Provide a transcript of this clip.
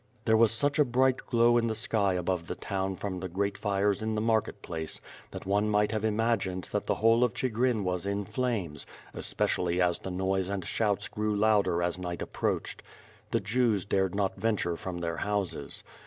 There was such a bright glow in the sky above the town from the great fires in the market place, that one might have imagined that the whole of Chigrin was in flames, especially as the noise and shouts grew louder as night approached. The Jews dared not venture from their houses.